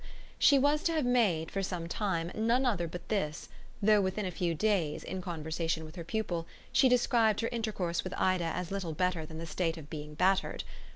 She was to have made, for some time, none other but this, though within a few days, in conversation with her pupil, she described her intercourse with Ida as little better than the state of being battered.